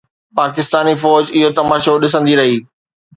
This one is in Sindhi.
پاڪستاني فوج اهو تماشو ڏسندي رهي.